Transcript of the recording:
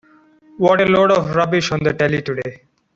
What a load of rubbish on the telly today.